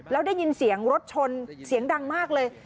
แล้วได้ยินเสียงรถชนเสียงดังมากเลย